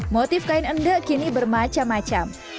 motif kain endek kini bermacam macam